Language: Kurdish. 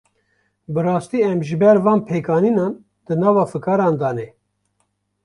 Bi rastî em ji ber van pêkanînan, di nava fikaran de ne